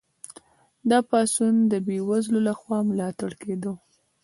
دا پاڅون د بې وزلو لخوا ملاتړ کیده.